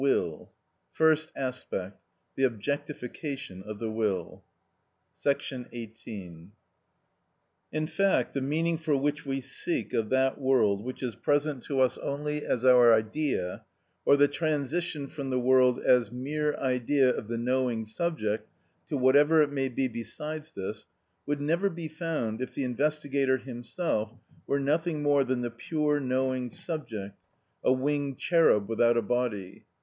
And yet this is the method that has been followed by all philosophers before me. § 18. In fact, the meaning for which we seek of that world which is present to us only as our idea, or the transition from the world as mere idea of the knowing subject to whatever it may be besides this, would never be found if the investigator himself were nothing more than the pure knowing subject (a winged cherub without a body).